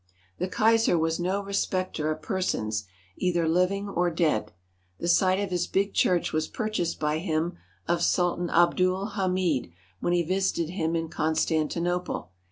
The Kaiser was no respecter of persons, either living or dead. The site of his big church was purchased by him of Sultan Adbul Hamid when he visited him in Constan tinople.